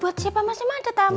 buat siapa masnya mas